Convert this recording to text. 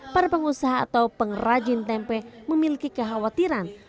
para pengusaha atau pengrajin tempe memiliki kekhawatiran